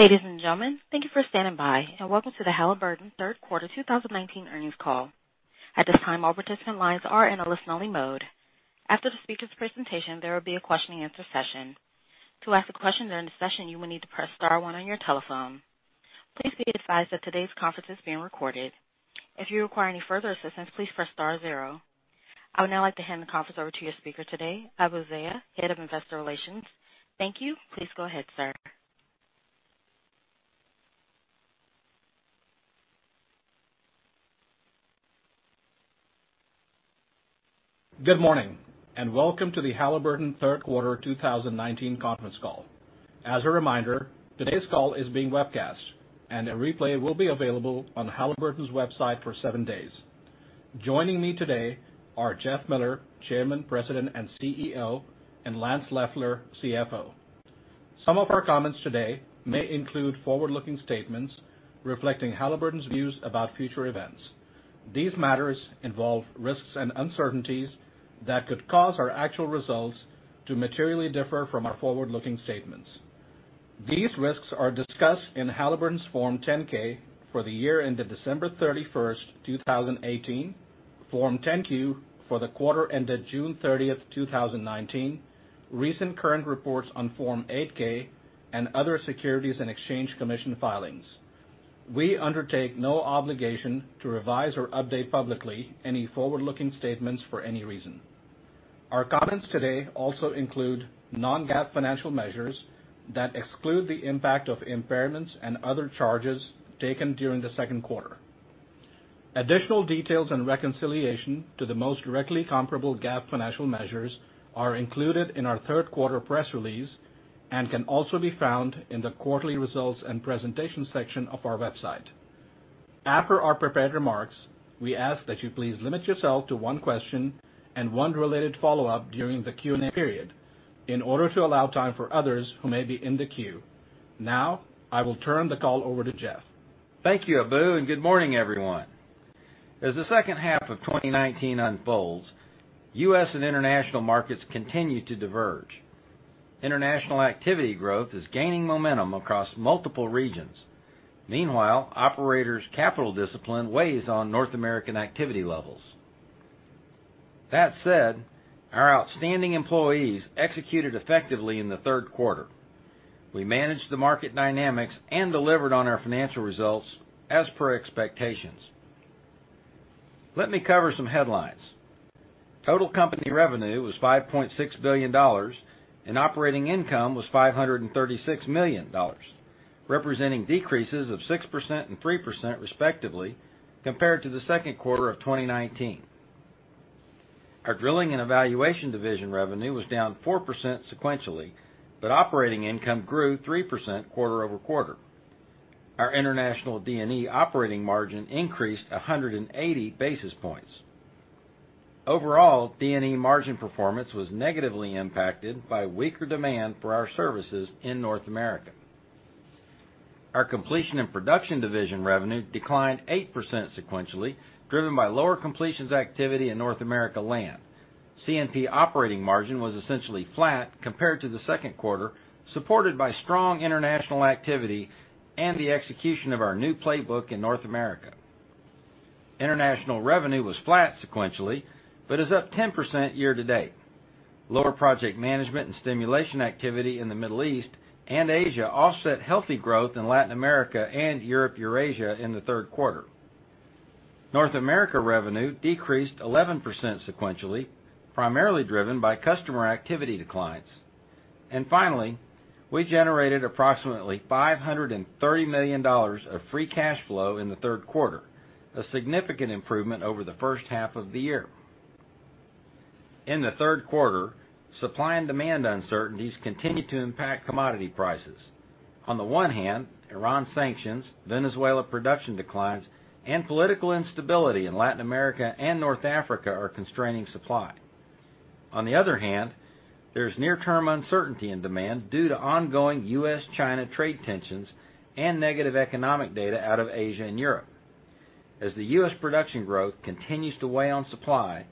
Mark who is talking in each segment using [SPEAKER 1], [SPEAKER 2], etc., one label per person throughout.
[SPEAKER 1] Ladies and gentlemen, thank you for standing by, and welcome to the Halliburton third quarter 2019 earnings call. At this time, all participant lines are in a listen-only mode. After the speakers' presentation, there will be a questioning and answer session. To ask a question during the session, you will need to press star one on your telephone. Please be advised that today's conference is being recorded. If you require any further assistance, please press star zero. I would now like to hand the conference over to your speaker today, Abu Zeya, Head of Investor Relations. Thank you. Please go ahead, sir.
[SPEAKER 2] Good morning, welcome to the Halliburton third quarter 2019 conference call. As a reminder, today's call is being webcast, and a replay will be available on Halliburton's website for seven days. Joining me today are Jeff Miller, Chairman, President, and CEO, and Lance Loeffler, CFO. Some of our comments today may include forward-looking statements reflecting Halliburton's views about future events. These matters involve risks and uncertainties that could cause our actual results to materially differ from our forward-looking statements. These risks are discussed in Halliburton's Form 10-K for the year ended December 31st, 2018, Form 10-Q for the quarter ended June 30th, 2019, recent current reports on Form 8-K, and other Securities and Exchange Commission filings. We undertake no obligation to revise or update publicly any forward-looking statements for any reason. Our comments today also include non-GAAP financial measures that exclude the impact of impairments and other charges taken during the second quarter. Additional details and reconciliation to the most directly comparable GAAP financial measures are included in our third-quarter press release and can also be found in the quarterly results and presentation section of our website. After our prepared remarks, we ask that you please limit yourself to one question and one related follow-up during the Q&A period in order to allow time for others who may be in the queue. I will turn the call over to Jeff.
[SPEAKER 3] Thank you, Abu, and good morning, everyone. As the second half of 2019 unfolds, U.S. and international markets continue to diverge. International activity growth is gaining momentum across multiple regions. Meanwhile, operators' capital discipline weighs on North American activity levels. That said, our outstanding employees executed effectively in the third quarter. We managed the market dynamics and delivered on our financial results as per expectations. Let me cover some headlines. Total company revenue was $5.6 billion, and operating income was $536 million, representing decreases of 6% and 3% respectively compared to the second quarter of 2019. Our Drilling and Evaluation division revenue was down 4% sequentially, but operating income grew 3% quarter-over-quarter. Our international D&E operating margin increased 180 basis points. Overall, D&E margin performance was negatively impacted by weaker demand for our services in North America. Our Completion and Production division revenue declined 8% sequentially, driven by lower completions activity in North America land. C&P operating margin was essentially flat compared to the second quarter, supported by strong international activity and the execution of our new playbook in North America. International revenue was flat sequentially, but is up 10% year to date. Lower project management and stimulation activity in the Middle East/Asia offset healthy growth in Latin America and Europe, Eurasia in the third quarter. North America revenue decreased 11% sequentially, primarily driven by customer activity declines. Finally, we generated approximately $530 million of free cash flow in the third quarter, a significant improvement over the first half of the year. In the third quarter, supply and demand uncertainties continued to impact commodity prices. On the one hand, Iran sanctions, Venezuela production declines, and political instability in Latin America and North Africa are constraining supply. On the other hand, there's near-term uncertainty in demand due to ongoing U.S.-China trade tensions and negative economic data out of Asia and Europe. As the U.S. production growth continues to weigh on supply,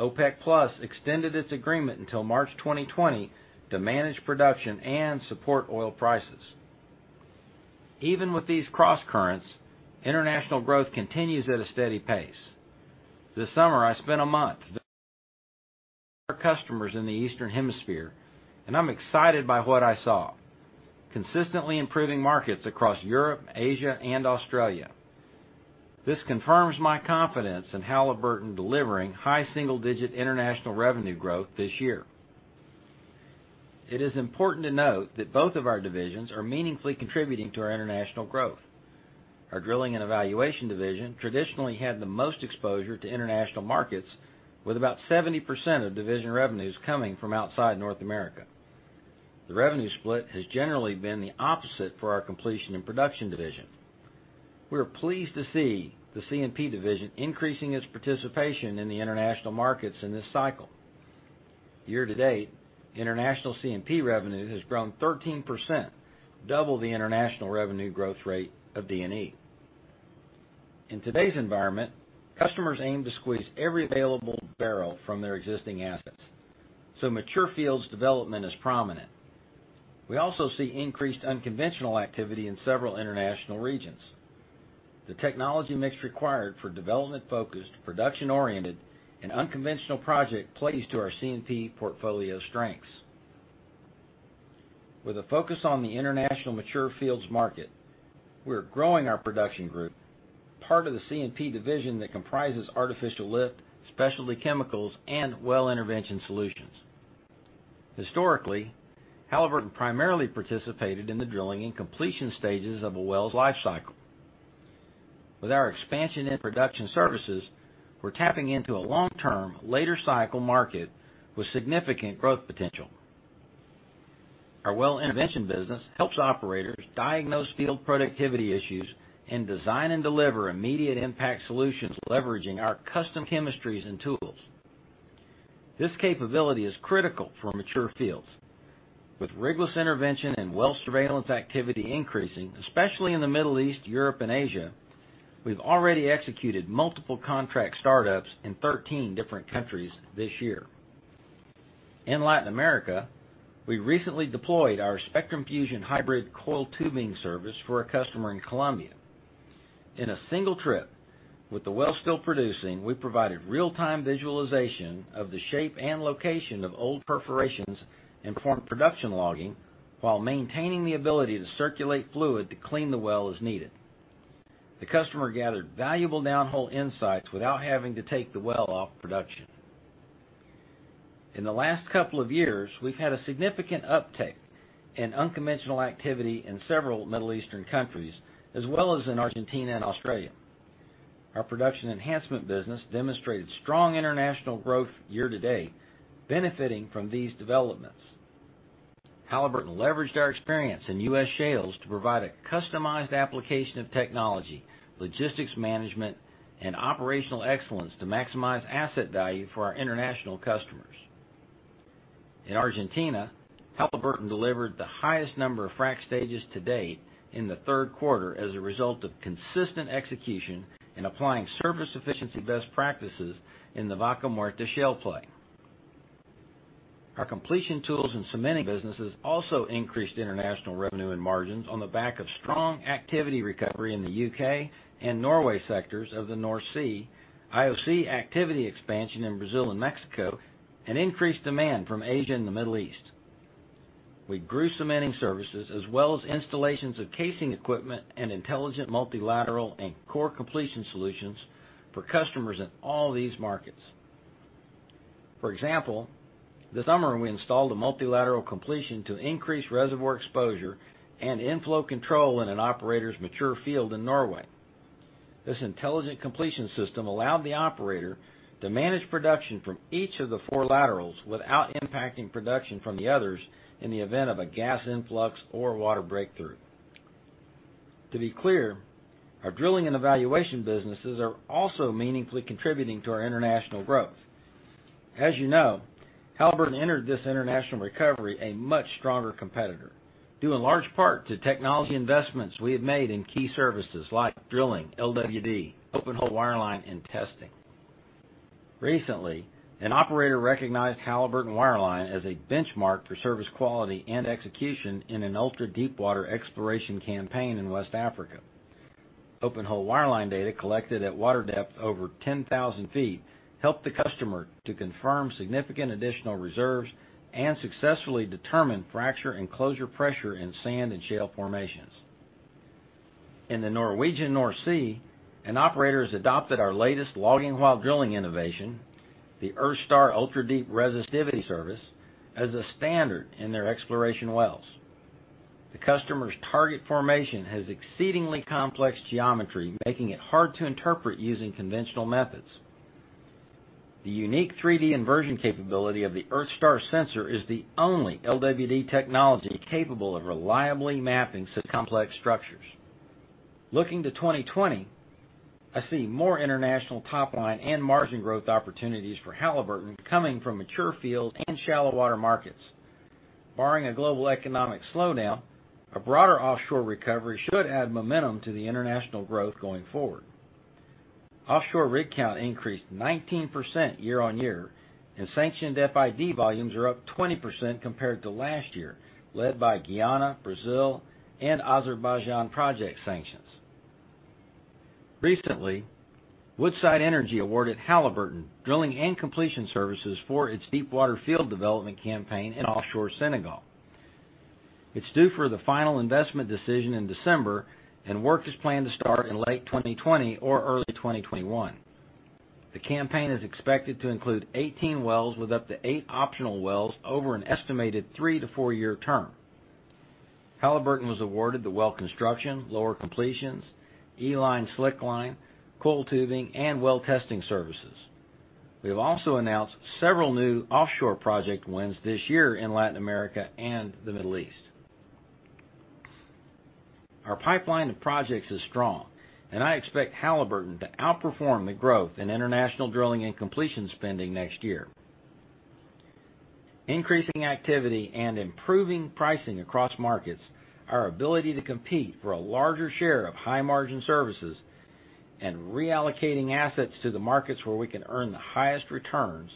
[SPEAKER 3] OPEC+ extended its agreement until March 2020 to manage production and support oil prices. Even with these crosscurrents, international growth continues at a steady pace. This summer, I spent a month with our customers in the Eastern Hemisphere, and I'm excited by what I saw. Consistently improving markets across Europe, Asia, and Australia. This confirms my confidence in Halliburton delivering high single-digit international revenue growth this year. It is important to note that both of our divisions are meaningfully contributing to our international growth. Our Drilling and Evaluation division traditionally had the most exposure to international markets with about 70% of division revenues coming from outside North America. The revenue split has generally been the opposite for our Completion and Production division. We are pleased to see the C&P division increasing its participation in the international markets in this cycle. Year to date, international C&P revenue has grown 13%, double the international revenue growth rate of D&E. In today's environment, customers aim to squeeze every available barrel from their existing assets, so mature fields development is prominent. We also see increased unconventional activity in several international regions. The technology mix required for development-focused, production-oriented, and unconventional project plays to our C&P portfolio strengths. With a focus on the international mature fields market, we're growing our production group, part of the C&P division that comprises artificial lift, specialty chemicals, and well intervention solutions. Historically, Halliburton primarily participated in the drilling and completion stages of a well's life cycle. With our expansion in production services, we're tapping into a long-term, later cycle market with significant growth potential. Our well intervention business helps operators diagnose field productivity issues and design and deliver immediate impact solutions leveraging our custom chemistries and tools. This capability is critical for mature fields. With rigless intervention and well surveillance activity increasing, especially in the Middle East, Europe, and Asia, we've already executed multiple contract startups in 13 different countries this year. In Latin America, we recently deployed our SPECTRUM FUSION hybrid coiled tubing service for a customer in Colombia. In a single trip, with the well still producing, we provided real-time visualization of the shape and location of old perforations and performed production logging while maintaining the ability to circulate fluid to clean the well as needed. The customer gathered valuable down-hole insights without having to take the well off production. In the last couple of years, we've had a significant uptick in unconventional activity in several Middle Eastern countries, as well as in Argentina and Australia. Our production enhancement business demonstrated strong international growth year-to-date benefiting from these developments. Halliburton leveraged our experience in U.S. shales to provide a customized application of technology, logistics management, and operational excellence to maximize asset value for our international customers. In Argentina, Halliburton delivered the highest number of frac stages to date in the third quarter as a result of consistent execution in applying service efficiency best practices in the Vaca Muerta Shale Play. Our completion tools and cementing businesses also increased international revenue and margins on the back of strong activity recovery in the U.K. and Norway sectors of the North Sea, IOC activity expansion in Brazil and Mexico, and increased demand from Asia and the Middle East. We grew cementing services as well as installations of casing equipment and intelligent multilateral and intelligent completion solutions for customers in all these markets. For example, this summer, we installed a multilateral completion to increase reservoir exposure and inflow control in an operator's mature field in Norway. This intelligent completion system allowed the operator to manage production from each of the 4 laterals without impacting production from the others in the event of a gas influx or water breakthrough. To be clear, our Drilling and Evaluation businesses are also meaningfully contributing to our international growth. As you know, Halliburton entered this international recovery a much stronger competitor, due in large part to technology investments we have made in key services like drilling, LWD, open hole wireline, and testing. Recently, an operator recognized Halliburton wireline as a benchmark for service quality and execution in an ultra-deepwater exploration campaign in West Africa. Open hole wireline data collected at water depth over 10,000 feet helped the customer to confirm significant additional reserves and successfully determine fracture and closure pressure in sand and shale formations. In the Norwegian North Sea, an operator has adopted our latest logging while drilling innovation, the EarthStar ultra-deep resistivity service, as a standard in their exploration wells. The customer's target formation has exceedingly complex geometry, making it hard to interpret using conventional methods. The unique 3D inversion capability of the EarthStar sensor is the only LWD technology capable of reliably mapping such complex structures. Looking to 2020, I see more international top-line and margin growth opportunities for Halliburton coming from mature field and shallow water markets. Barring a global economic slowdown, a broader offshore recovery should add momentum to the international growth going forward. Offshore rig count increased 19% year-on-year, and sanctioned FID volumes are up 20% compared to last year, led by Guyana, Brazil, and Azerbaijan project sanctions. Recently, Woodside Energy awarded Halliburton drilling and completion services for its deepwater field development campaign in offshore Senegal. It's due for the final investment decision in December, and work is planned to start in late 2020 or early 2021. The campaign is expected to include 18 wells with up to eight optional wells over an estimated three to four-year term. Halliburton was awarded the well construction, lower completions, E-Line slickline, coiled tubing, and well testing services. We have also announced several new offshore project wins this year in Latin America and the Middle East. Our pipeline of projects is strong, and I expect Halliburton to outperform the growth in international drilling and completion spending next year. Increasing activity and improving pricing across markets, our ability to compete for a larger share of high-margin services, and reallocating assets to the markets where we can earn the highest returns,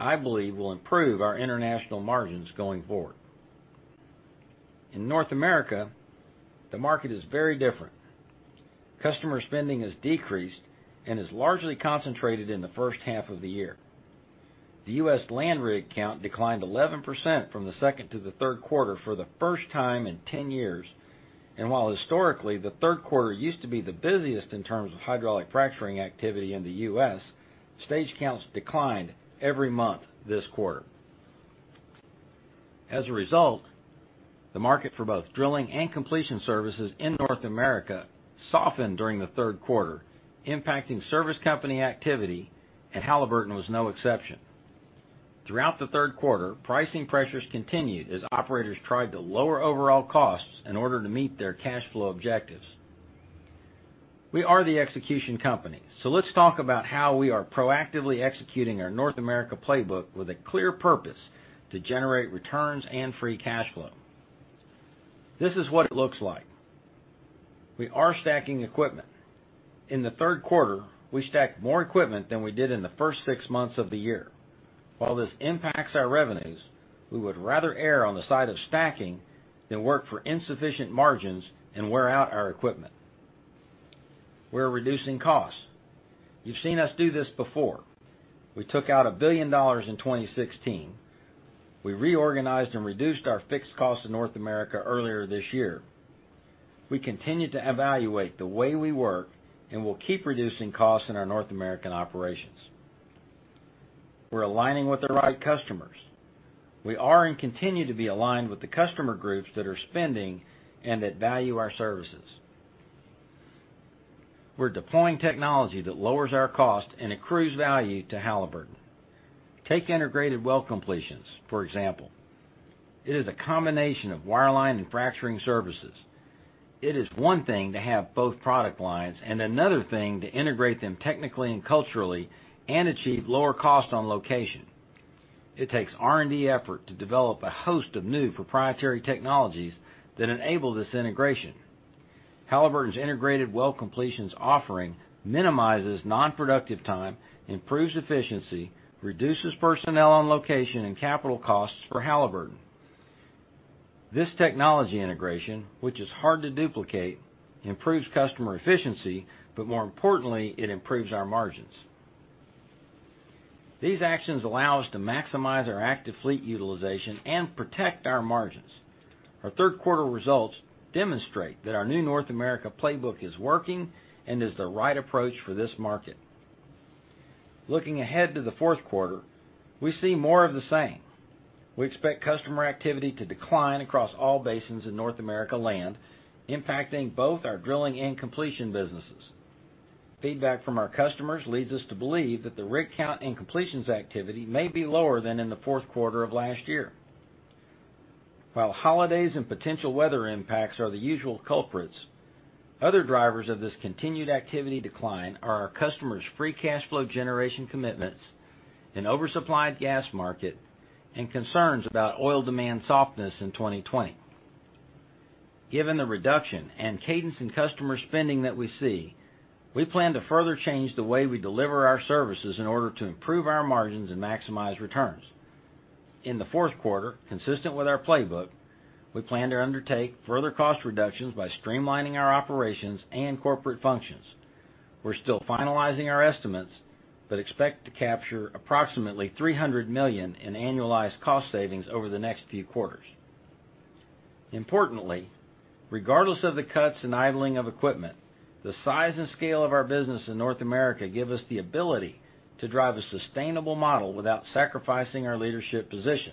[SPEAKER 3] I believe will improve our international margins going forward. In North America, the market is very different. Customer spending has decreased and is largely concentrated in the first half of the year. The U.S. land rig count declined 11% from the second to the third quarter for the first time in 10 years. While historically, the third quarter used to be the busiest in terms of hydraulic fracturing activity in the U.S., stage counts declined every month this quarter. As a result, the market for both drilling and completion services in North America softened during the third quarter, impacting service company activity, and Halliburton was no exception. Throughout the third quarter, pricing pressures continued as operators tried to lower overall costs in order to meet their cash flow objectives. Let's talk about how we are proactively executing our North America playbook with a clear purpose to generate returns and free cash flow. This is what it looks like. We are stacking equipment. In the third quarter, we stacked more equipment than we did in the first 6 months of the year. While this impacts our revenues, we would rather err on the side of stacking than work for insufficient margins and wear out our equipment. We're reducing costs. You've seen us do this before. We took out $1 billion in 2016. We reorganized and reduced our fixed costs in North America earlier this year. We continue to evaluate the way we work and will keep reducing costs in our North American operations. We're aligning with the right customers. We are and continue to be aligned with the customer groups that are spending and that value our services. We're deploying technology that lowers our cost and accrues value to Halliburton. Take integrated well completions, for example. It is a combination of wireline and fracturing services. It is one thing to have both product lines and another thing to integrate them technically and culturally and achieve lower cost on location. It takes R&D effort to develop a host of new proprietary technologies that enable this integration. Halliburton's integrated well completions offering minimizes non-productive time, improves efficiency, reduces personnel on location, and capital costs for Halliburton. This technology integration, which is hard to duplicate, improves customer efficiency, but more importantly, it improves our margins. These actions allow us to maximize our active fleet utilization and protect our margins. Our third quarter results demonstrate that our new North America playbook is working and is the right approach for this market. Looking ahead to the fourth quarter, we see more of the same. We expect customer activity to decline across all basins in North America land, impacting both our drilling and completion businesses. Feedback from our customers leads us to believe that the rig count and completions activity may be lower than in the fourth quarter of last year. While holidays and potential weather impacts are the usual culprits, other drivers of this continued activity decline are our customers' free cash flow generation commitments, an oversupplied gas market, and concerns about oil demand softness in 2020. Given the reduction and cadence in customer spending that we see, we plan to further change the way we deliver our services in order to improve our margins and maximize returns. In the fourth quarter, consistent with our playbook, we plan to undertake further cost reductions by streamlining our operations and corporate functions. We're still finalizing our estimates but expect to capture approximately $300 million in annualized cost savings over the next few quarters. Importantly, regardless of the cuts and idling of equipment, the size and scale of our business in North America give us the ability to drive a sustainable model without sacrificing our leadership position.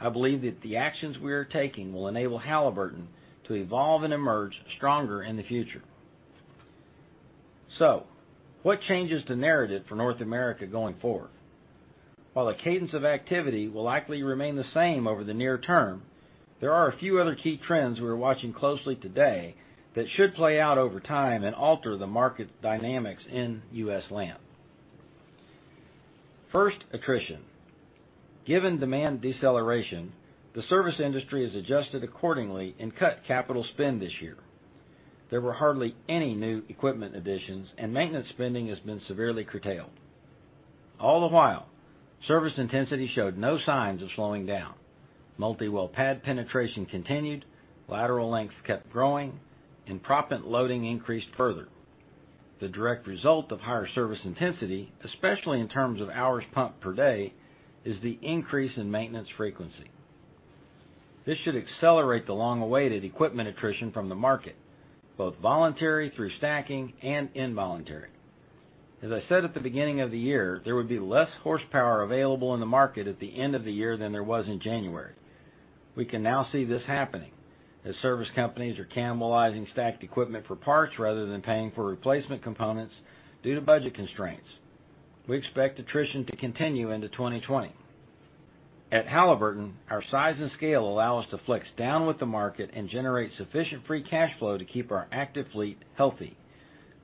[SPEAKER 3] I believe that the actions we are taking will enable Halliburton to evolve and emerge stronger in the future. What changes the narrative for North America going forward? While the cadence of activity will likely remain the same over the near term, there are a few other key trends we are watching closely today that should play out over time and alter the market dynamics in U.S. land. First, attrition. Given demand deceleration, the service industry has adjusted accordingly and cut capital spend this year. There were hardly any new equipment additions, and maintenance spending has been severely curtailed. All the while, service intensity showed no signs of slowing down. Multi-well pad penetration continued, lateral length kept growing, and proppant loading increased further. The direct result of higher service intensity, especially in terms of hours pumped per day, is the increase in maintenance frequency. This should accelerate the long-awaited equipment attrition from the market, both voluntary through stacking and involuntary. As I said at the beginning of the year, there would be less horsepower available in the market at the end of the year than there was in January. We can now see this happening as service companies are cannibalizing stacked equipment for parts rather than paying for replacement components due to budget constraints. We expect attrition to continue into 2020. At Halliburton, our size and scale allow us to flex down with the market and generate sufficient free cash flow to keep our active fleet healthy.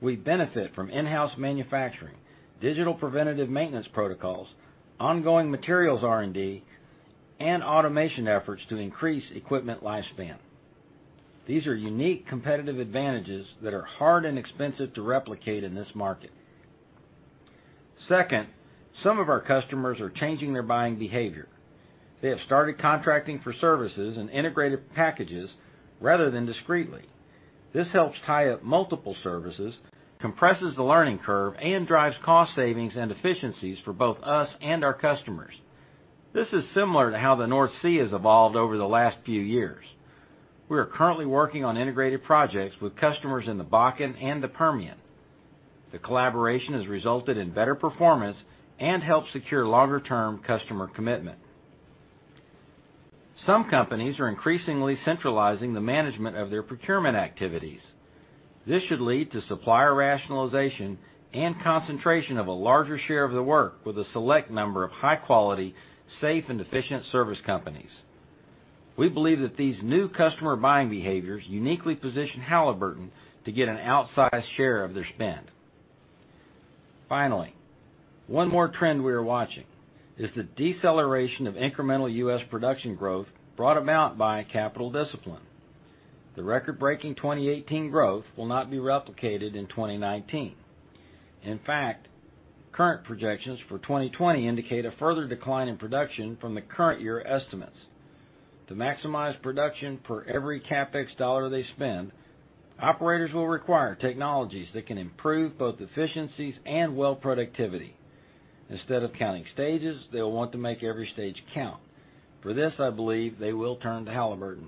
[SPEAKER 3] We benefit from in-house manufacturing, digital preventative maintenance protocols, ongoing materials R&D, and automation efforts to increase equipment lifespan. These are unique competitive advantages that are hard and expensive to replicate in this market. Second, some of our customers are changing their buying behavior. They have started contracting for services in integrated packages rather than discretely. This helps tie up multiple services, compresses the learning curve, and drives cost savings and efficiencies for both us and our customers. This is similar to how the North Sea has evolved over the last few years. We are currently working on integrated projects with customers in the Bakken and the Permian. The collaboration has resulted in better performance and helped secure longer-term customer commitment. Some companies are increasingly centralizing the management of their procurement activities. This should lead to supplier rationalization and concentration of a larger share of the work with a select number of high-quality, safe, and efficient service companies. We believe that these new customer buying behaviors uniquely position Halliburton to get an outsized share of their spend. Finally, one more trend we are watching is the deceleration of incremental U.S. production growth brought about by capital discipline. The record-breaking 2018 growth will not be replicated in 2019. In fact, current projections for 2020 indicate a further decline in production from the current year estimates. To maximize production per every CapEx dollar they spend, operators will require technologies that can improve both efficiencies and well productivity. Instead of counting stages, they'll want to make every stage count. For this, I believe they will turn to Halliburton.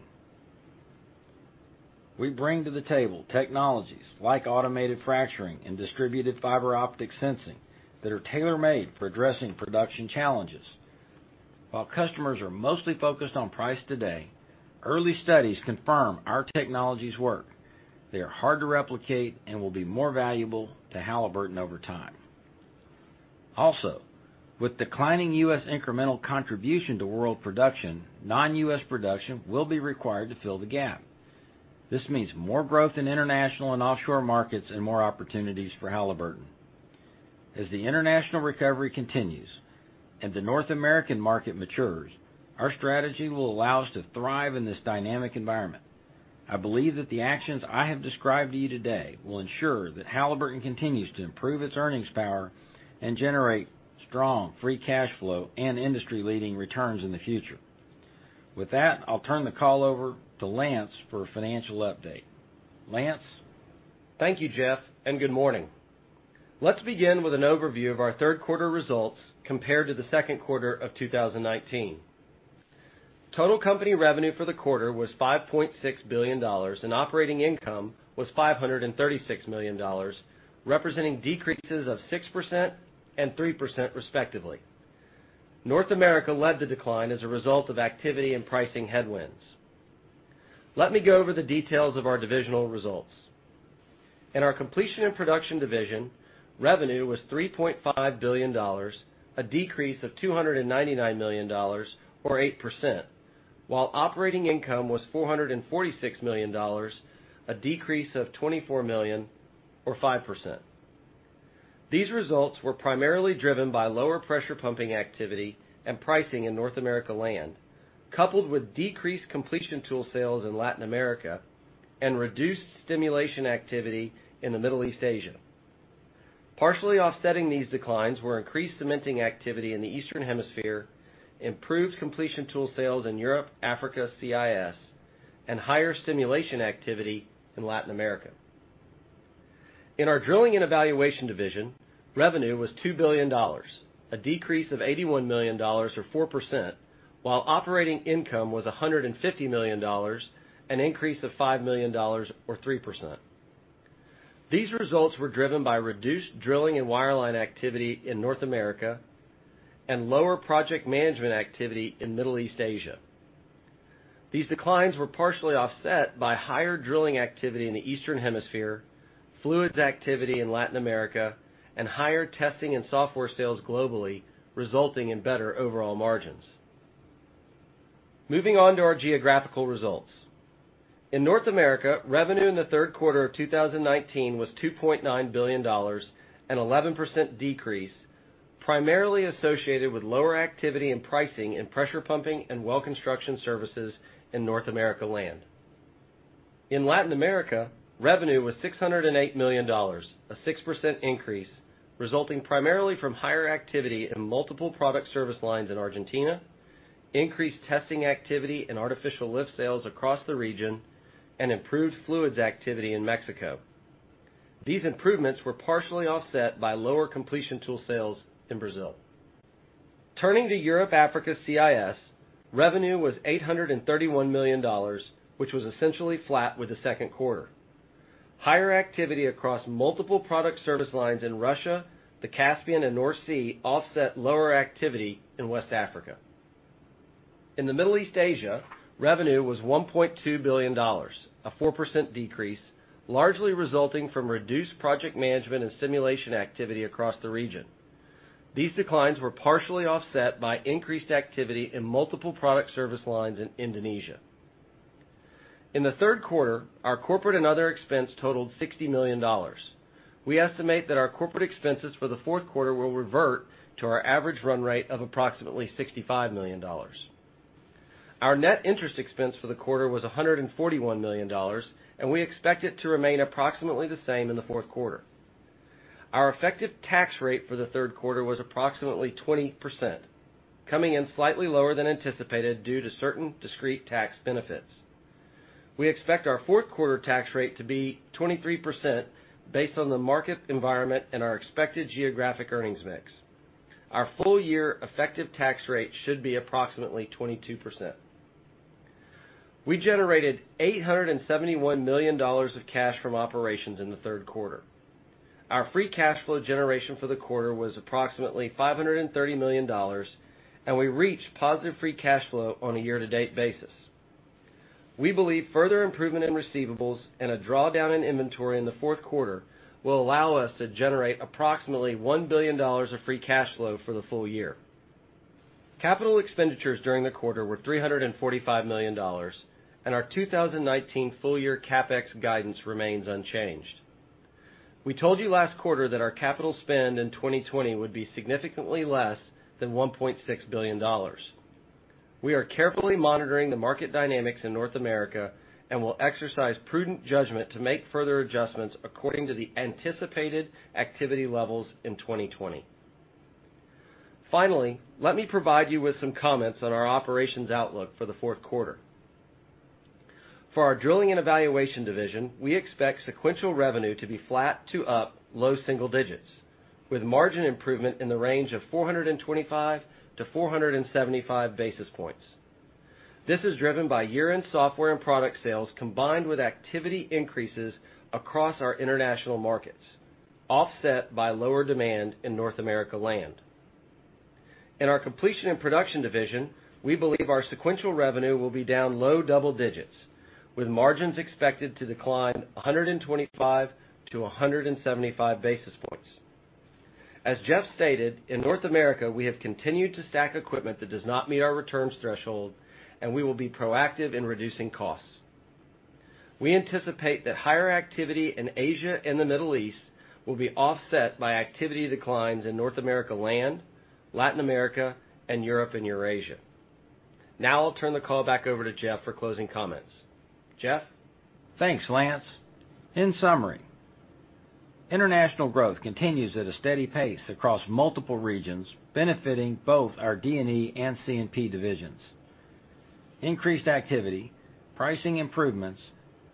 [SPEAKER 3] We bring to the table technologies like automated fracturing and distributed fiber optic sensing that are tailor-made for addressing production challenges. While customers are mostly focused on price today, early studies confirm our technologies work. They are hard to replicate and will be more valuable to Halliburton over time. Also, with declining U.S. incremental contribution to world production, non-U.S. production will be required to fill the gap. This means more growth in international and offshore markets and more opportunities for Halliburton. As the international recovery continues and the North American market matures, our strategy will allow us to thrive in this dynamic environment. I believe that the actions I have described to you today will ensure that Halliburton continues to improve its earnings power and generate strong, free cash flow and industry-leading returns in the future. With that, I'll turn the call over to Lance for a financial update. Lance?
[SPEAKER 4] Thank you, Jeff, and good morning. Let's begin with an overview of our third quarter results compared to the second quarter of 2019. Total company revenue for the quarter was $5.6 billion, and operating income was $536 million, representing decreases of 6% and 3% respectively. North America led the decline as a result of activity in pricing headwinds. Let me go over the details of our divisional results. In our Completion and Production division, revenue was $3.5 billion, a decrease of $299 million or 8%, while operating income was $446 million, a decrease of $24 million or 5%. These results were primarily driven by lower pressure pumping activity and pricing in North America Land, coupled with decreased completion tool sales in Latin America and reduced stimulation activity in the Middle East/Asia. Partially offsetting these declines were increased cementing activity in the Eastern Hemisphere, improved completion tool sales in Europe, Africa, CIS, and higher stimulation activity in Latin America. In our Drilling and Evaluation division, revenue was $2 billion, a decrease of $81 million or 4%, while operating income was $150 million, an increase of $5 million or 3%. These results were driven by reduced drilling and wireline activity in North America and lower project management activity in Middle East/Asia. These declines were partially offset by higher drilling activity in the Eastern Hemisphere, fluids activity in Latin America, and higher testing and software sales globally, resulting in better overall margins. Moving on to our geographical results. In North America, revenue in the third quarter of 2019 was $2.9 billion, an 11% decrease, primarily associated with lower activity in pricing in pressure pumping and well construction services in North America Land. In Latin America, revenue was $608 million, a 6% increase, resulting primarily from higher activity in multiple product service lines in Argentina, increased testing activity and artificial lift sales across the region, and improved fluids activity in Mexico. These improvements were partially offset by lower completion tool sales in Brazil. Turning to Europe, Africa, CIS, revenue was $831 million, which was essentially flat with the second quarter. Higher activity across multiple product service lines in Russia, the Caspian, and North Sea offset lower activity in West Africa. In the Middle East/Asia, revenue was $1.2 billion, a 4% decrease, largely resulting from reduced project management and stimulation activity across the region. These declines were partially offset by increased activity in multiple product service lines in Indonesia. In the third quarter, our corporate and other expense totaled $60 million. We estimate that our corporate expenses for the fourth quarter will revert to our average run rate of approximately $65 million. Our net interest expense for the quarter was $141 million, and we expect it to remain approximately the same in the fourth quarter. Our effective tax rate for the third quarter was approximately 20%, coming in slightly lower than anticipated due to certain discrete tax benefits. We expect our fourth quarter tax rate to be 23% based on the market environment and our expected geographic earnings mix. Our full-year effective tax rate should be approximately 22%. We generated $871 million of cash from operations in the third quarter. Our free cash flow generation for the quarter was approximately $530 million, and we reached positive free cash flow on a year-to-date basis. We believe further improvement in receivables and a drawdown in inventory in the fourth quarter will allow us to generate approximately $1 billion of free cash flow for the full year. Capital expenditures during the quarter were $345 million, and our 2019 full-year CapEx guidance remains unchanged. We told you last quarter that our capital spend in 2020 would be significantly less than $1.6 billion. We are carefully monitoring the market dynamics in North America and will exercise prudent judgment to make further adjustments according to the anticipated activity levels in 2020. Finally, let me provide you with some comments on our operations outlook for the fourth quarter. For our Drilling and Evaluation division, we expect sequential revenue to be flat to up low single digits, with margin improvement in the range of 425 to 475 basis points. This is driven by year-end software and product sales, combined with activity increases across our international markets, offset by lower demand in North America land. In our Completion and Production division, we believe our sequential revenue will be down low double digits, with margins expected to decline 125-175 basis points. As Jeff stated, in North America, we have continued to stack equipment that does not meet our returns threshold, and we will be proactive in reducing costs. We anticipate that higher activity in Asia and the Middle East will be offset by activity declines in North America land, Latin America, and Europe and Eurasia. Now I'll turn the call back over to Jeff for closing comments. Jeff?
[SPEAKER 3] Thanks, Lance. In summary, international growth continues at a steady pace across multiple regions, benefiting both our Drilling and Evaluation and Completion and Production divisions. Increased activity, pricing improvements,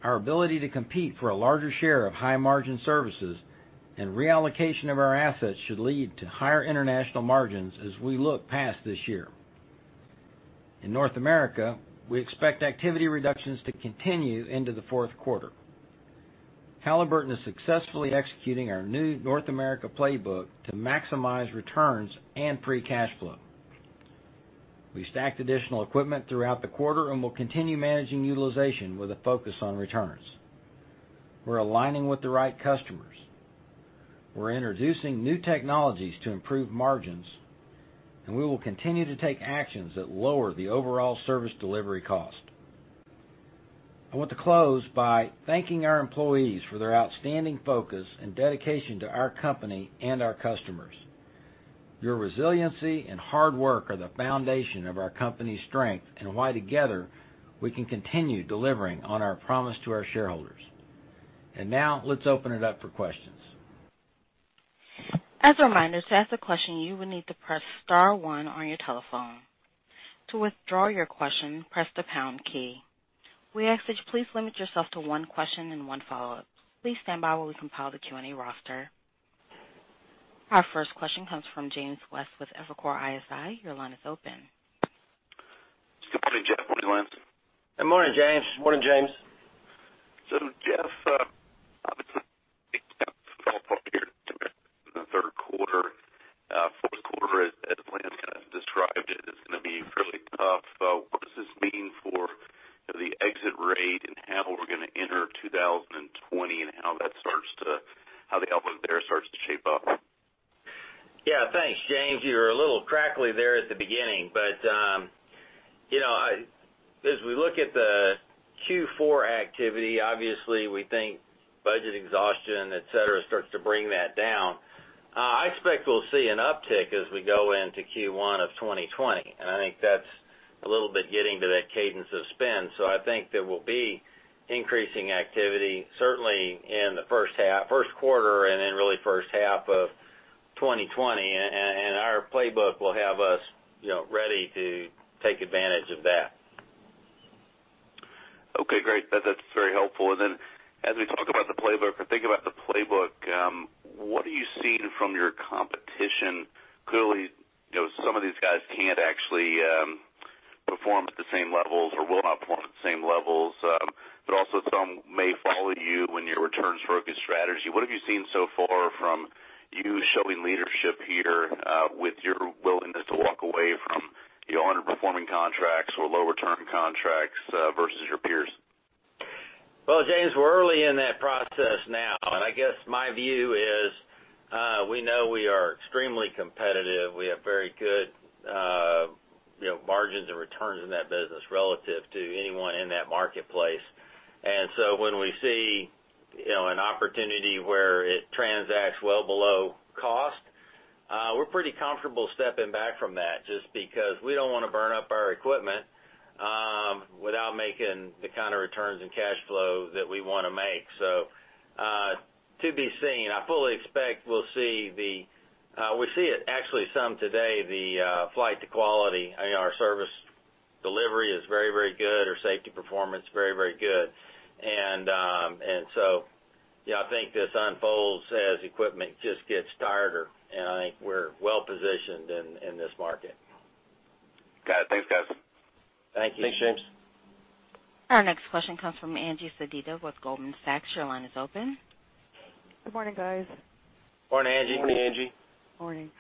[SPEAKER 3] our ability to compete for a larger share of high-margin services, and reallocation of our assets should lead to higher international margins as we look past this year. In North America, we expect activity reductions to continue into the fourth quarter. Halliburton is successfully executing our new North America playbook to maximize returns and free cash flow. We stacked additional equipment throughout the quarter and will continue managing utilization with a focus on returns. We're aligning with the right customers. We're introducing new technologies to improve margins, and we will continue to take actions that lower the overall service delivery cost. I want to close by thanking our employees for their outstanding focus and dedication to our company and our customers. Your resiliency and hard work are the foundation of our company's strength and why together we can continue delivering on our promise to our shareholders. Now let's open it up for questions.
[SPEAKER 1] As a reminder, to ask a question, you will need to press *1 on your telephone. To withdraw your question, press the # key. We ask that you please limit yourself to one question and one follow-up. Please stand by while we compile the Q&A roster. Our first question comes from James West with Evercore ISI. Your line is open.
[SPEAKER 5] Good morning, Jeff. Good morning, Lance.
[SPEAKER 3] Good morning, James.
[SPEAKER 4] Good morning, James.
[SPEAKER 5] Jeff, obviously, in the third quarter. Fourth quarter, as Lance kind of described it, is gonna be fairly tough. What does this mean for the exit rate and how we're gonna enter 2020 and how the outlook there starts to shape up?
[SPEAKER 4] Yeah. Thanks, James. You were a little crackly there at the beginning. As we look at the Q4 activity, obviously, we think budget exhaustion, et cetera, starts to bring that down. I expect we'll see an uptick as we go into Q1 of 2020, and I think that's a little bit getting to that cadence of spend. I think there will be increasing activity, certainly in the first quarter and then really first half of 2020, and our playbook will have us ready to take advantage of that.
[SPEAKER 5] Okay, great. That's very helpful. As we talk about the playbook, I think about the playbook, what are you seeing from your competition? Clearly, some of these guys can't actually perform at the same levels or will not perform at the same levels. Some may follow you in your returns-focused strategy. What have you seen so far from you showing leadership here, with your willingness to walk away from the underperforming contracts or low return contracts versus your peers?
[SPEAKER 3] Well, James, we're early in that process now, and I guess my view is we know we are extremely competitive. We have very good margins and returns in that business relative to anyone in that marketplace. When we see an opportunity where it transacts well below cost, we're pretty comfortable stepping back from that, just because we don't want to burn up our equipment without making the kind of returns and cash flow that we want to make. To be seen, I fully expect we'll see it actually some today, the flight to quality. Our service delivery is very good, our safety performance, very good. I think this unfolds as equipment just gets tired, and I think we're well-positioned in this market.
[SPEAKER 5] Got it. Thanks, guys.
[SPEAKER 3] Thank you. Thanks, James.
[SPEAKER 1] Our next question comes from Angie Sedita with Goldman Sachs. Your line is open.
[SPEAKER 6] Good morning, guys.
[SPEAKER 3] Morning, Angie.
[SPEAKER 4] Morning, Angie.
[SPEAKER 6] Morning.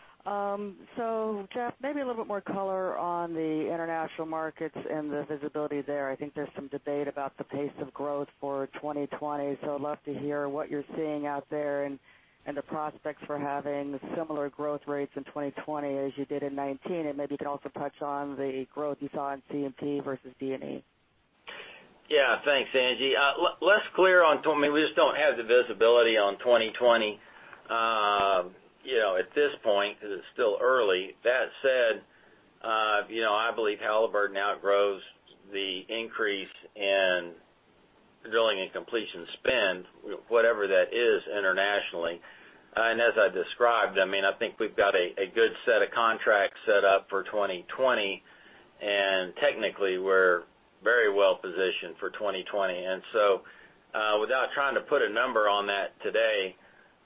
[SPEAKER 6] Jeff, maybe a little bit more color on the international markets and the visibility there. I think there's some debate about the pace of growth for 2020. I'd love to hear what you're seeing out there and the prospects for having similar growth rates in 2020 as you did in 2019, and maybe you can also touch on the growth you saw in C&P versus D&E.
[SPEAKER 3] Yeah. Thanks, Angie. We just don't have the visibility on 2020 at this point because it's still early. That said, I believe Halliburton outgrows the increase in drilling and completion spend, whatever that is internationally. As I described, I think we've got a good set of contracts set up for 2020, and technically, we're very well-positioned for 2020. Without trying to put a number on that today,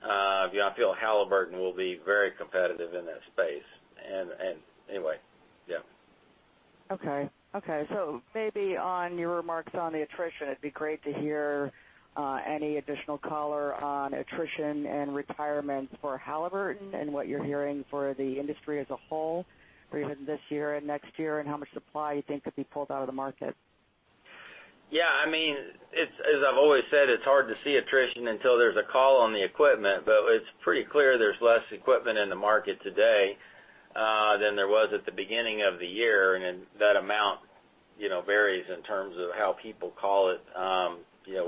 [SPEAKER 3] I feel Halliburton will be very competitive in that space. Anyway, yeah.
[SPEAKER 6] Okay. Maybe on your remarks on the attrition, it'd be great to hear any additional color on attrition and retirements for Halliburton and what you're hearing for the industry as a whole for even this year and next year, and how much supply you think could be pulled out of the market.
[SPEAKER 3] Yeah. As I've always said, it's hard to see attrition until there's a call on the equipment, but it's pretty clear there's less equipment in the market today than there was at the beginning of the year, and that amount varies in terms of how people call it.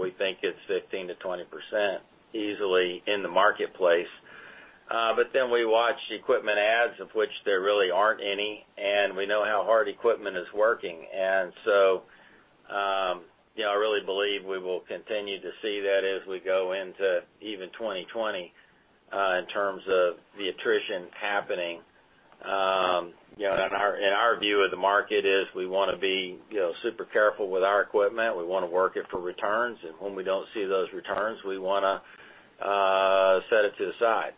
[SPEAKER 3] We think it's 15%-20% easily in the marketplace. We watch equipment ads, of which there really aren't any, and we know how hard equipment is working. I really believe we will continue to see that as we go into even 2020, in terms of the attrition happening. Our view of the market is we want to be super careful with our equipment. We want to work it for returns, and when we don't see those returns, we want to set it to the side.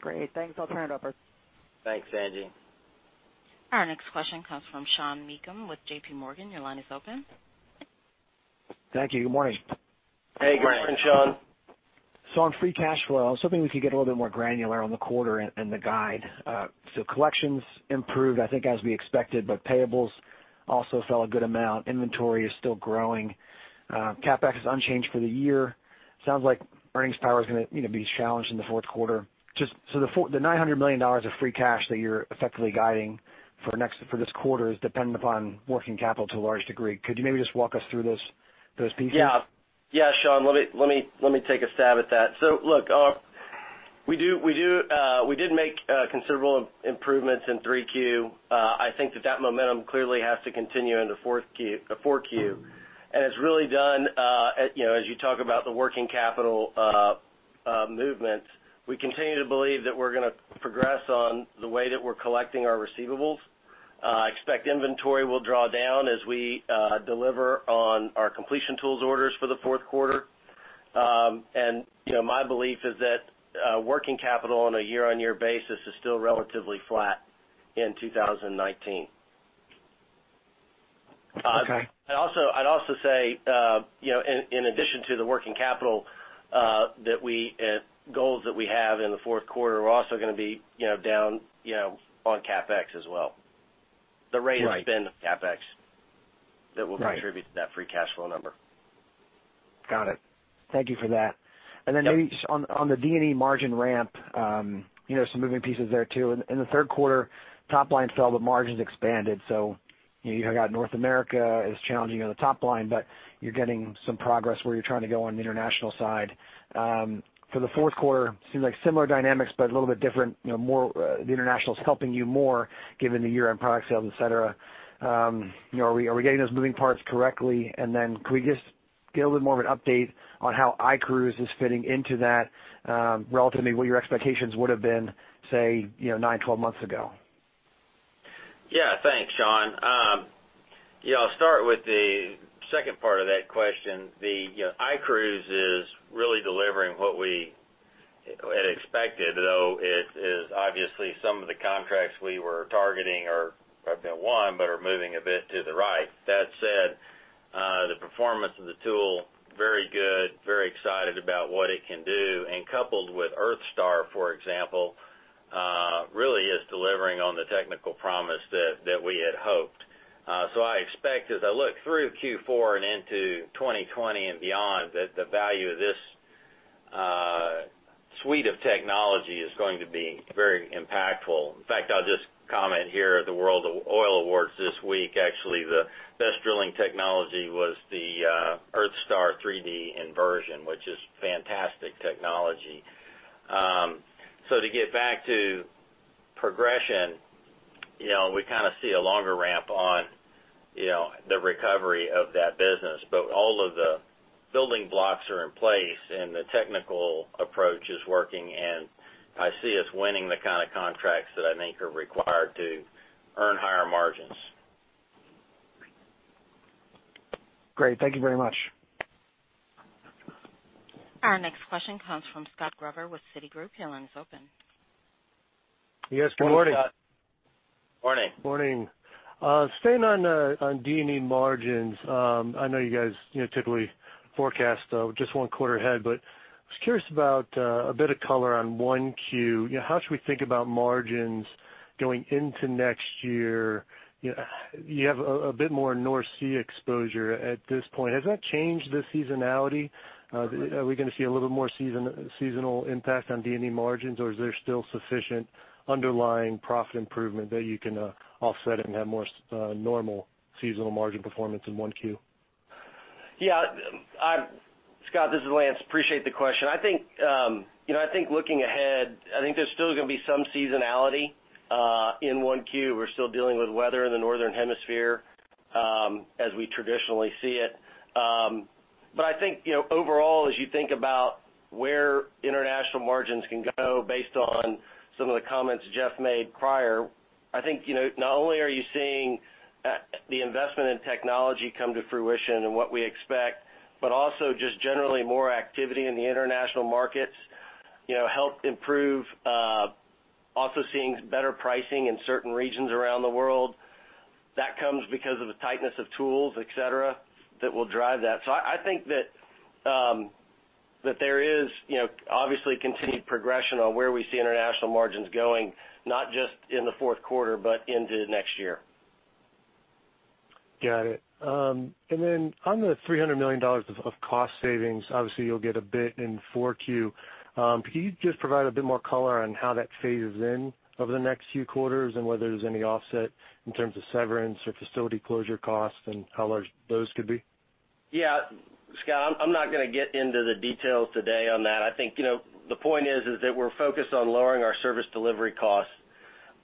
[SPEAKER 6] Great. Thanks. I'll turn it over.
[SPEAKER 3] Thanks, Angie.
[SPEAKER 1] Our next question comes from Sean Meakim with J.P. Morgan. Your line is open.
[SPEAKER 7] Thank you. Good morning.
[SPEAKER 3] Hey, Sean.
[SPEAKER 4] Good morning, Sean.
[SPEAKER 7] On free cash flow, I was hoping we could get a little bit more granular on the quarter and the guide. Collections improved, I think, as we expected, but payables also fell a good amount. Inventory is still growing. CapEx is unchanged for the year. Sounds like earnings power is going to be challenged in the fourth quarter. The $900 million of free cash that you're effectively guiding for this quarter is dependent upon working capital to a large degree. Could you maybe just walk us through those pieces?
[SPEAKER 4] Yeah, Sean, let me take a stab at that. Look, we did make considerable improvements in 3Q. I think that that momentum clearly has to continue into 4Q. It's really done, as you talk about the working capital movements. We continue to believe that we're going to progress on the way that we're collecting our receivables. Expect inventory will draw down as we deliver on our completion tools orders for the fourth quarter. My belief is that working capital on a year-on-year basis is still relatively flat in 2019.
[SPEAKER 7] Okay.
[SPEAKER 4] I'd also say, in addition to the working capital goals that we have in the fourth quarter, we're also going to be down on CapEx as well.
[SPEAKER 7] Right.
[SPEAKER 4] The rate of spend of CapEx that will contribute to that free cash flow number.
[SPEAKER 7] Got it. Thank you for that.
[SPEAKER 4] Yep.
[SPEAKER 7] Maybe just on the D&E margin ramp, some moving pieces there, too. In the third quarter, top line fell, but margins expanded. You've got North America is challenging on the top line, but you're getting some progress where you're trying to go on the international side. For the fourth quarter, seems like similar dynamics, but a little bit different. The international's helping you more given the year-end product sales, et cetera. Are we getting those moving parts correctly? Could we just get a little bit more of an update on how iCruise is fitting into that, relative to maybe what your expectations would've been, say, nine, 12 months ago?
[SPEAKER 3] Thanks, Sean. I'll start with the second part of that question. The iCruise is really delivering what we had expected, though it is obviously some of the contracts we were targeting have been won but are moving a bit to the right. The performance of the tool, very good, very excited about what it can do, and coupled with EarthStar, for exampleReally is delivering on the technical promise that we had hoped. I expect as I look through Q4 and into 2020 and beyond, that the value of this suite of technology is going to be very impactful. In fact, I'll just comment here at the World Oil Awards this week, actually, the best drilling technology was the EarthStar 3D Inversion, which is fantastic technology. To get back to progression, we kind of see a longer ramp on the recovery of that business. All of the building blocks are in place, and the technical approach is working, and I see us winning the kind of contracts that I think are required to earn higher margins.
[SPEAKER 7] Great. Thank you very much.
[SPEAKER 1] Our next question comes from Scott Gruber with Citigroup. Your line is open.
[SPEAKER 8] Yes, good morning.
[SPEAKER 3] Morning.
[SPEAKER 8] Morning. Staying on D&E margins. I know you guys typically forecast just one quarter ahead, but I was curious about a bit of color on 1Q. How should we think about margins going into next year? You have a bit more North Sea exposure at this point. Has that changed the seasonality? Are we going to see a little bit more seasonal impact on D&E margins, or is there still sufficient underlying profit improvement that you can offset it and have more normal seasonal margin performance in 1Q?
[SPEAKER 4] Yeah. Scott, this is Lance. Appreciate the question. I think looking ahead, I think there's still going to be some seasonality in 1Q. We're still dealing with weather in the northern hemisphere as we traditionally see it. I think overall, as you think about where international margins can go based on some of the comments Jeff made prior, I think not only are you seeing the investment in technology come to fruition and what we expect, but also just generally more activity in the international markets help improve. Seeing better pricing in certain regions around the world. That comes because of the tightness of tools, et cetera, that will drive that. I think that there is obviously continued progression on where we see international margins going, not just in the fourth quarter, but into next year.
[SPEAKER 8] Got it. On the $300 million of cost savings, obviously you'll get a bit in 4Q. Could you just provide a bit more color on how that phases in over the next few quarters and whether there's any offset in terms of severance or facility closure costs and how large those could be?
[SPEAKER 4] Yeah. Scott, I'm not going to get into the details today on that. I think the point is that we're focused on lowering our service delivery costs.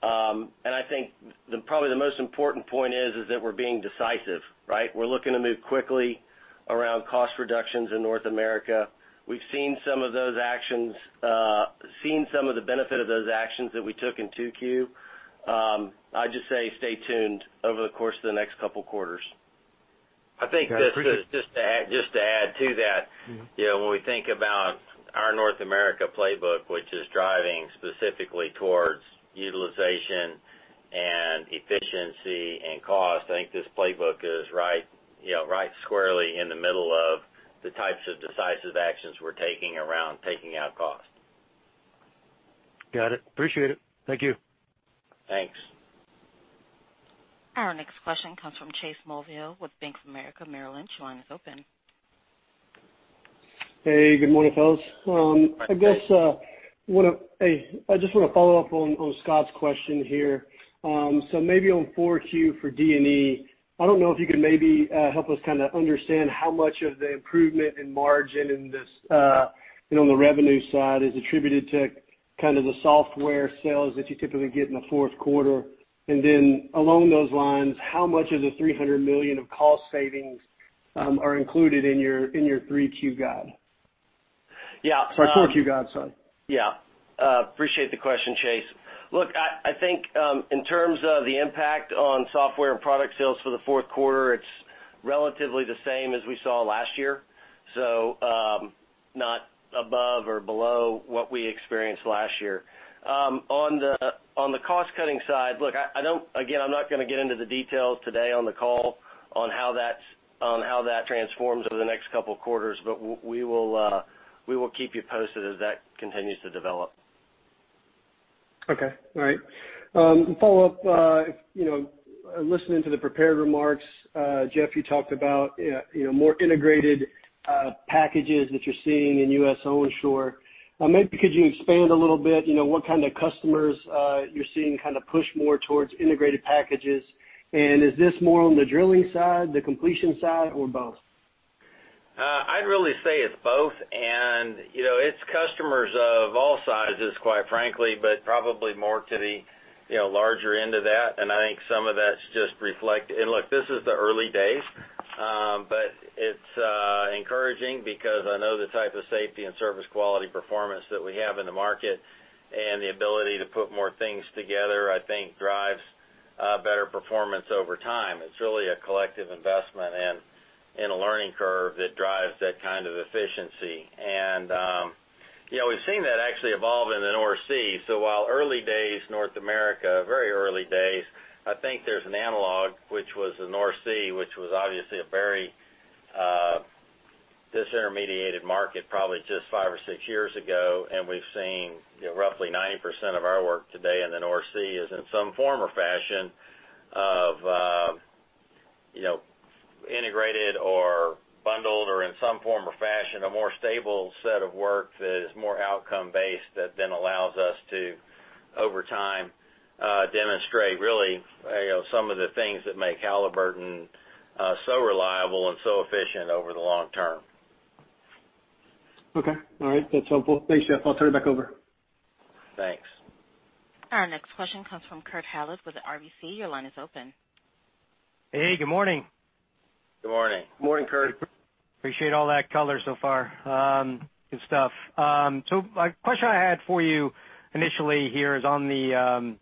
[SPEAKER 4] I think probably the most important point is that we're being decisive, right? We're looking to move quickly around cost reductions in North America. We've seen some of the benefit of those actions that we took in 2Q. I'd just say stay tuned over the course of the next couple of quarters.
[SPEAKER 3] I think just to add to that. When we think about our North America playbook, which is driving specifically towards utilization and efficiency and cost, I think this playbook is right squarely in the middle of the types of decisive actions we're taking around taking out cost.
[SPEAKER 8] Got it. Appreciate it. Thank you.
[SPEAKER 3] Thanks.
[SPEAKER 1] Our next question comes from Chase Mulvehill with Bank of America Merrill Lynch. Your line is open.
[SPEAKER 9] Hey, good morning, fellas. I just want to follow up on Scott's question here. Maybe on 4Q for D&E, I don't know if you could maybe help us kind of understand how much of the improvement in margin on the revenue side is attributed to kind of the software sales that you typically get in the fourth quarter. Along those lines, how much of the $300 million of cost savings are included in your 3Q guide?
[SPEAKER 4] Yeah.
[SPEAKER 9] Sorry, 4Q guide. Sorry.
[SPEAKER 4] Yeah. Appreciate the question, Chase. Look, I think in terms of the impact on software and product sales for the fourth quarter, it's relatively the same as we saw last year, not above or below what we experienced last year. On the cost-cutting side, again, I'm not going to get into the details today on the call on how that transforms over the next couple of quarters. We will keep you posted as that continues to develop.
[SPEAKER 9] Okay. All right. Follow up. Listening to the prepared remarks, Jeff, you talked about more integrated packages that you're seeing in U.S. onshore. Maybe could you expand a little bit, what kind of customers you're seeing kind of push more towards integrated packages? Is this more on the drilling side, the completion side, or both?
[SPEAKER 3] I'd really say it's both. It's customers of all sizes, quite frankly, but probably more to the larger end of that. I think some of that's just and look, this is the early days. It's encouraging because I know the type of safety and service quality performance that we have in the market and the ability to put more things together, I think drives better performance over time. It's really a collective investment and a learning curve that drives that kind of efficiency. We've seen that actually evolve in the North Sea. While early days North America, very early days, I think there's an analog, which was the North Sea, which was obviously a very intermediated market probably just five or six years ago. We've seen roughly 90% of our work today in the North Sea is in some form or fashion of integrated or bundled, or in some form or fashion, a more stable set of work that is more outcome-based that then allows us to, over time, demonstrate really some of the things that make Halliburton so reliable and so efficient over the long term.
[SPEAKER 9] Okay. All right. That's helpful. Thanks, Jeff. I'll turn it back over.
[SPEAKER 3] Thanks.
[SPEAKER 1] Our next question comes from Kurt Hallead with RBC. Your line is open.
[SPEAKER 10] Hey, good morning.
[SPEAKER 3] Good morning.
[SPEAKER 4] Good morning, Kurt.
[SPEAKER 10] Appreciate all that color so far. Good stuff. A question I had for you initially here is on the, say,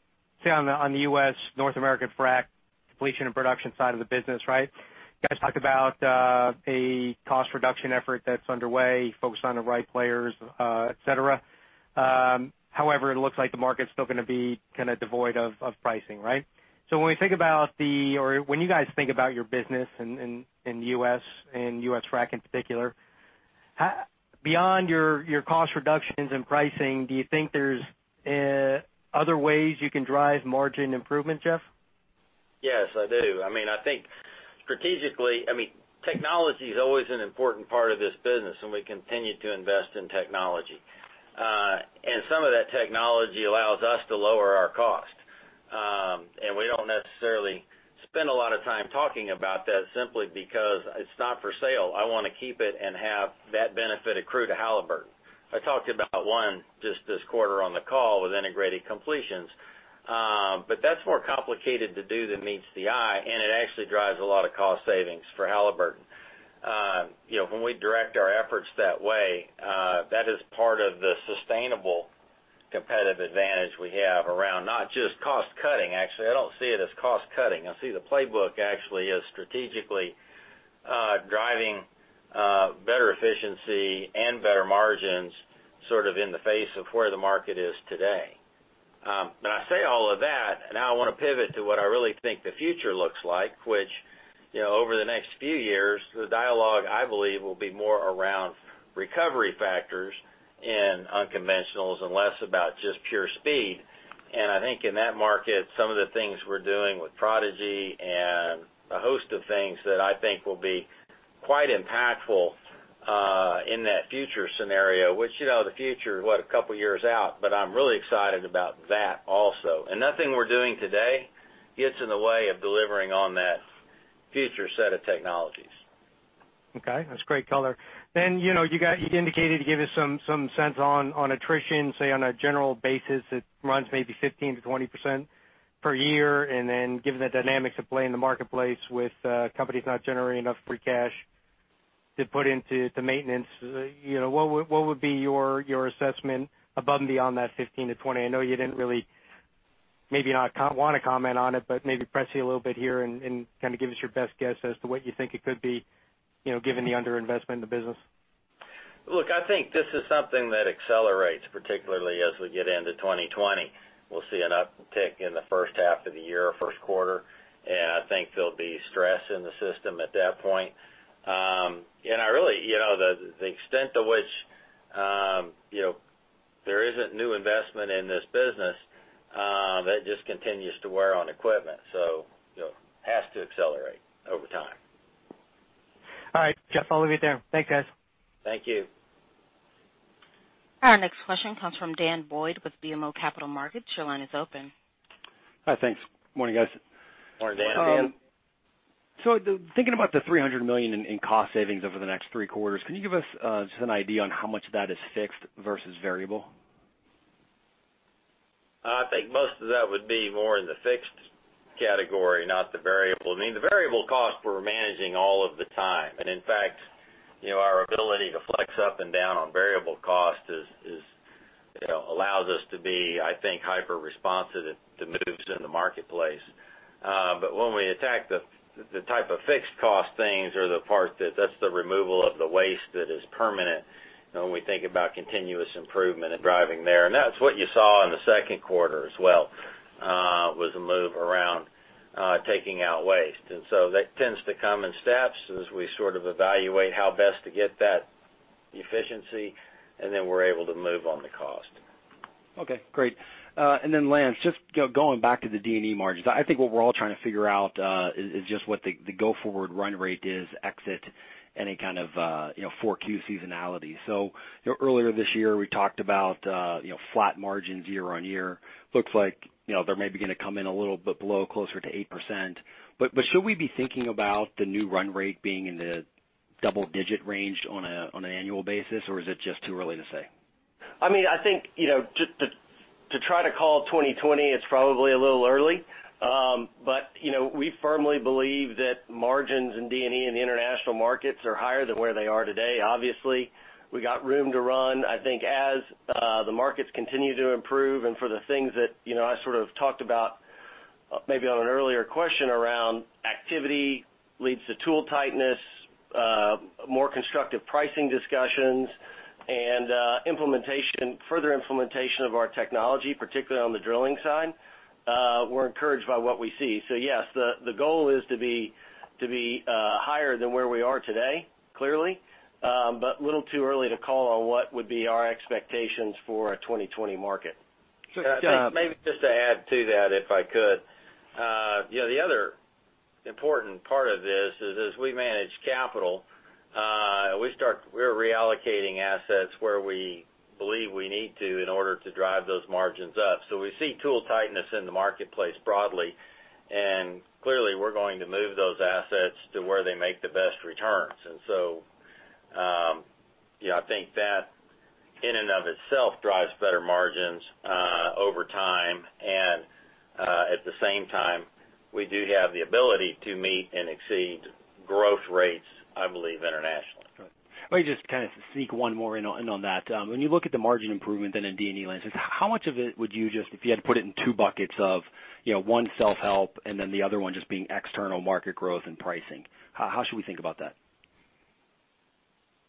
[SPEAKER 10] on the U.S. North American frack Completion and Production side of the business, right? You guys talked about a cost reduction effort that's underway, focused on the right players, et cetera. However, it looks like the market's still going to be kind of devoid of pricing, right? When you guys think about your business in U.S. and U.S. frack in particular, beyond your cost reductions and pricing, do you think there's other ways you can drive margin improvement, Jeff?
[SPEAKER 3] Yes, I do. Strategically, technology is always an important part of this business, and we continue to invest in technology. Some of that technology allows us to lower our cost. We don't necessarily spend a lot of time talking about that simply because it's not for sale. I want to keep it and have that benefit accrue to Halliburton. I talked about one just this quarter on the call with integrated completions. That's more complicated to do than meets the eye, and it actually drives a lot of cost savings for Halliburton. When we direct our efforts that way, that is part of the sustainable competitive advantage we have around not just cost cutting. Actually, I don't see it as cost cutting. I see the playbook actually as strategically driving better efficiency and better margins, sort of in the face of where the market is today. I say all of that, and now I want to pivot to what I really think the future looks like, which over the next few years, the dialogue, I believe, will be more around recovery factors in unconventionals and less about just pure speed. I think in that market, some of the things we're doing with Prodigi and a host of things that I think will be quite impactful in that future scenario, which the future, what, a couple of years out, but I'm really excited about that also. Nothing we're doing today gets in the way of delivering on that future set of technologies.
[SPEAKER 10] Okay. That's great color. You indicated to give us some sense on attrition, say on a general basis, it runs maybe 15%-20% per year. Given the dynamics at play in the marketplace with companies not generating enough free cash to put into the maintenance, what would be your assessment above and beyond that 15%-20%? I know you didn't really maybe not want to comment on it, but maybe press you a little bit here and kind of give us your best guess as to what you think it could be, given the under-investment in the business.
[SPEAKER 3] Look, I think this is something that accelerates, particularly as we get into 2020. We'll see an uptick in the first half of the year or first quarter, and I think there'll be stress in the system at that point. The extent to which there isn't new investment in this business, that just continues to wear on equipment, so it has to accelerate over time.
[SPEAKER 10] All right, Jeff. I'll leave it there. Thanks, guys.
[SPEAKER 3] Thank you.
[SPEAKER 1] Our next question comes from Daniel Boyd with BMO Capital Markets. Your line is open.
[SPEAKER 11] Hi. Thanks. Morning, guys.
[SPEAKER 3] Morning, Dan.
[SPEAKER 4] Dan.
[SPEAKER 11] Thinking about the $300 million in cost savings over the next three quarters, can you give us just an idea on how much of that is fixed versus variable?
[SPEAKER 3] I think most of that would be more in the fixed category, not the variable. The variable cost we're managing all of the time. In fact, our ability to flex up and down on variable cost allows us to be, I think, hyperresponsive to moves in the marketplace. When we attack the type of fixed cost things or the part that's the removal of the waste that is permanent, when we think about continuous improvement and driving there, that's what you saw in the second quarter as well, was a move around taking out waste. That tends to come in steps as we sort of evaluate how best to get that efficiency, then we're able to move on the cost.
[SPEAKER 11] Okay, great. Lance, just going back to the D&E margins. I think what we're all trying to figure out is just what the go-forward run rate is, exit any kind of 4Q seasonality. Earlier this year, we talked about flat margins year-on-year. Looks like they're maybe going to come in a little bit below, closer to 8%. Should we be thinking about the new run rate being in the double-digit range on an annual basis, or is it just too early to say?
[SPEAKER 4] I think to try to call 2020, it's probably a little early. We firmly believe that margins in D&E in the international markets are higher than where they are today. Obviously, we got room to run. I think as the markets continue to improve and for the things that I sort of talked about maybe on an earlier question around activity leads to tool tightness, more constructive pricing discussions. Further implementation of our technology, particularly on the drilling side, we're encouraged by what we see. Yes, the goal is to be higher than where we are today, clearly, but a little too early to call on what would be our expectations for a 2020 market.
[SPEAKER 11] Jeff?
[SPEAKER 3] Maybe just to add to that, if I could. The other important part of this is, as we manage capital, we're reallocating assets where we believe we need to in order to drive those margins up. We see tool tightness in the marketplace broadly, and clearly, we're going to move those assets to where they make the best returns. I think that in and of itself drives better margins over time, and at the same time, we do have the ability to meet and exceed growth rates, I believe, internationally.
[SPEAKER 11] Right. Let me just kind of sneak one more in on that. When you look at the margin improvement in D&E, how much of it would you if you had to put it in two buckets of one, self-help, and then the other one just being external market growth and pricing, how should we think about that?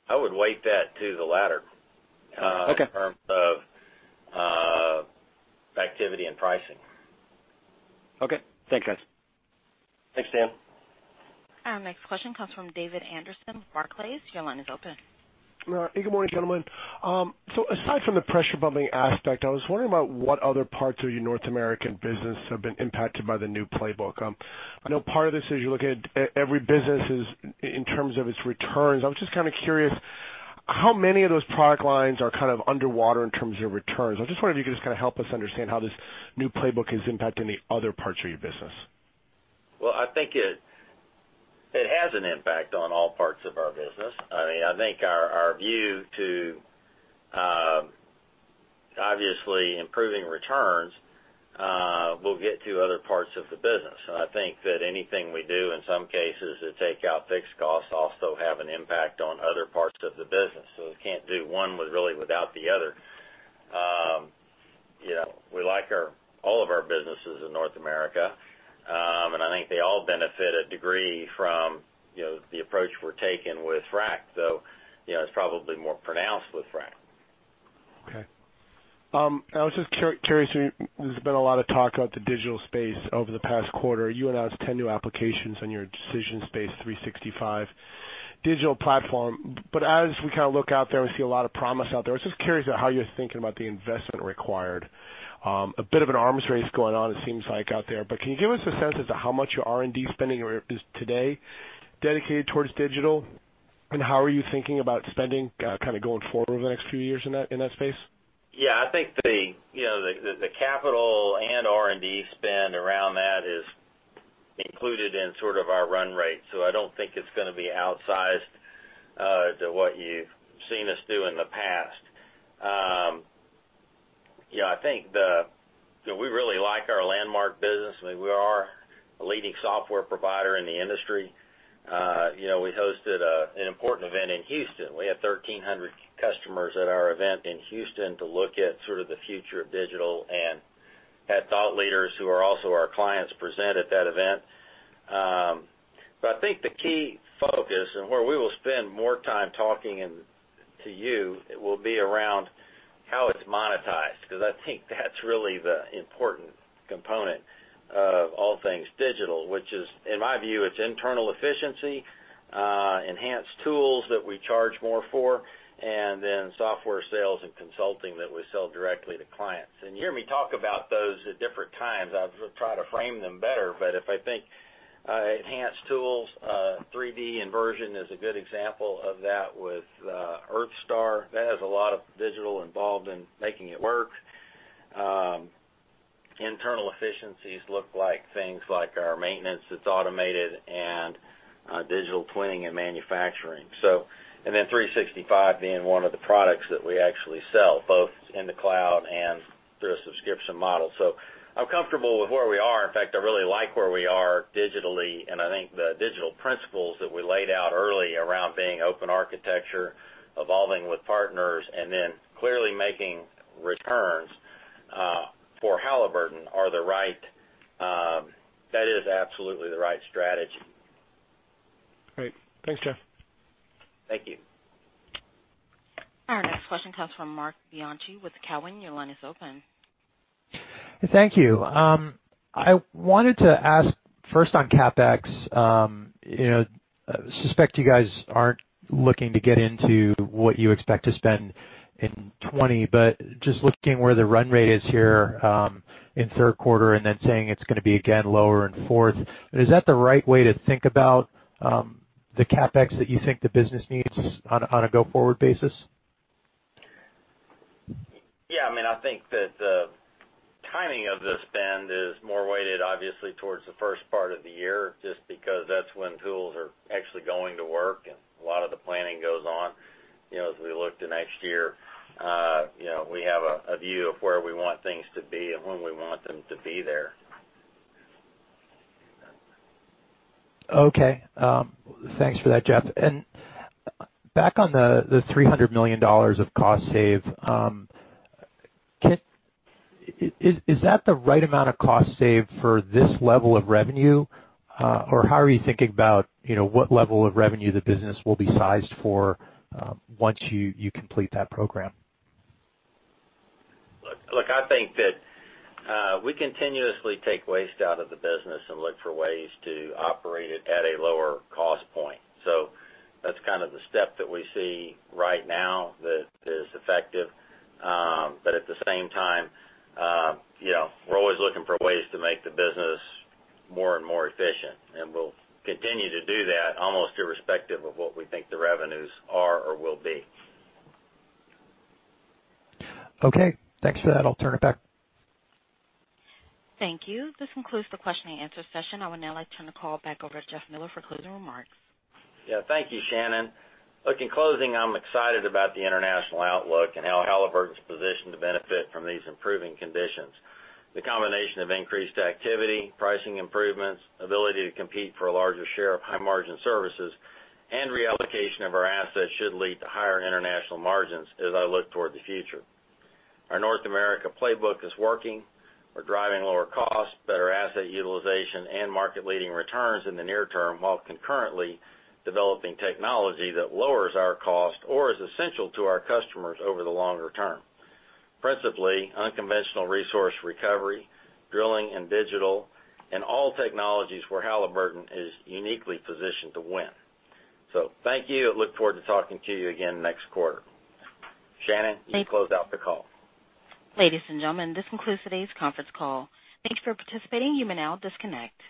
[SPEAKER 3] I would weight that to the latter.
[SPEAKER 11] Okay
[SPEAKER 3] in terms of activity and pricing.
[SPEAKER 11] Okay. Thanks, guys.
[SPEAKER 3] Thanks, Dan.
[SPEAKER 1] Our next question comes from David Anderson, Barclays. Your line is open.
[SPEAKER 12] Good morning, gentlemen. Aside from the pressure pumping aspect, I was wondering about what other parts of your North American business have been impacted by the new playbook. I know part of this is you're looking at every business in terms of its returns. I was just kind of curious how many of those product lines are kind of underwater in terms of returns. I just wonder if you could just kind of help us understand how this new playbook is impacting the other parts of your business.
[SPEAKER 3] Well, I think it has an impact on all parts of our business. I think our view to obviously improving returns will get to other parts of the business. I think that anything we do, in some cases, to take out fixed costs also have an impact on other parts of the business. We can't do one really without the other. We like all of our businesses in North America, and I think they all benefit a degree from the approach we're taking with frac, though it's probably more pronounced with frac.
[SPEAKER 12] Okay. I was just curious. There's been a lot of talk about the digital space over the past quarter. You announced 10 new applications on your DecisionSpace 365 digital platform. As we kind of look out there and see a lot of promise out there, I was just curious about how you're thinking about the investment required. A bit of an arms race going on, it seems like out there, but can you give us a sense as to how much your R&D spending is today dedicated towards digital, and how are you thinking about spending kind of going forward over the next few years in that space?
[SPEAKER 3] Yeah, I think the capital and R&D spend around that is included in sort of our run rate. I don't think it's going to be outsized to what you've seen us do in the past. I think that we really like our Landmark business. We are a leading software provider in the industry. We hosted an important event in Houston. We had 1,300 customers at our event in Houston to look at sort of the future of digital and had thought leaders who are also our clients present at that event. I think the key focus and where we will spend more time talking to you will be around how it's monetized, because I think that's really the important component of all things digital, which is, in my view, it's internal efficiency, enhanced tools that we charge more for, and then software sales and consulting that we sell directly to clients. You hear me talk about those at different times. I'll try to frame them better. If I think enhanced tools, 3D inversion is a good example of that with EarthStar. That has a lot of digital involved in making it work. Internal efficiencies look like things like our maintenance that's automated and digital twinning and manufacturing. 365 being one of the products that we actually sell, both in the cloud and through a subscription model. I'm comfortable with where we are. In fact, I really like where we are digitally, and I think the digital principles that we laid out early around being open architecture, evolving with partners, and then clearly making returns for Halliburton, that is absolutely the right strategy.
[SPEAKER 12] Great. Thanks, Jeff.
[SPEAKER 3] Thank you.
[SPEAKER 1] Our next question comes from Marc Bianchi with Cowen. Your line is open.
[SPEAKER 13] Thank you. I wanted to ask first on CapEx. I suspect you guys aren't looking to get into what you expect to spend in 2020, but just looking where the run rate is here in third quarter and then saying it's going to be again lower in fourth. Is that the right way to think about the CapEx that you think the business needs on a go-forward basis?
[SPEAKER 3] Yeah. I think that the timing of the spend is more weighted, obviously, towards the first part of the year, just because that's when tools are actually going to work and a lot of the planning goes on. As we look to next year, we have a view of where we want things to be and when we want them to be there.
[SPEAKER 13] Okay. Thanks for that, Jeff. Back on the $300 million of cost save. Is that the right amount of cost save for this level of revenue? How are you thinking about what level of revenue the business will be sized for once you complete that program?
[SPEAKER 3] Look, I think that we continuously take waste out of the business and look for ways to operate it at a lower cost point. That's kind of the step that we see right now that is effective. At the same time, we're always looking for ways to make the business more and more efficient, and we'll continue to do that almost irrespective of what we think the revenues are or will be.
[SPEAKER 13] Okay. Thanks for that. I'll turn it back.
[SPEAKER 1] Thank you. This concludes the question and answer session. I would now like to turn the call back over to Jeff Miller for closing remarks.
[SPEAKER 3] Yeah. Thank you, Operator. Look, in closing, I'm excited about the international outlook and how Halliburton's positioned to benefit from these improving conditions. The combination of increased activity, pricing improvements, ability to compete for a larger share of high-margin services, and reallocation of our assets should lead to higher international margins as I look toward the future. Our North America playbook is working. We're driving lower costs, better asset utilization, and market-leading returns in the near term, while concurrently developing technology that lowers our cost or is essential to our customers over the longer term. Principally, unconventional resource recovery, drilling and digital, and all technologies where Halliburton is uniquely positioned to win. Thank you. Look forward to talking to you again next quarter. Operator, you can close out the call.
[SPEAKER 1] Ladies and gentlemen, this concludes today's conference call. Thank you for participating. You may now disconnect.